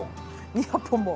２００本も。